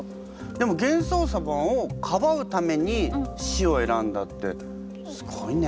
でも玄宗様をかばうために死を選んだってすごいね。